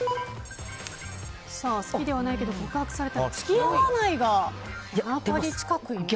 好きではないけど告白されたら付き合わないが７割近くいますね。